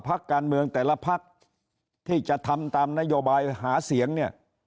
พักการเมืองแต่ละพักที่จะทำตามนโยบายหาเสียงเนี่ย